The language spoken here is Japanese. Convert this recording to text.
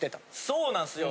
そうなんですよ。